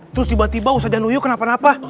terus tiba tiba usah danuyuk kenapa napa